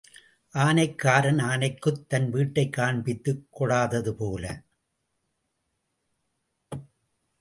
ஆனைக்காரன் ஆனைக்குத் தன் வீட்டைக் காண்பித்துக் கொடாதது போல.